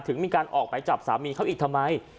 ถึงมีการออกไหมจับสามีเขาอีกทำไม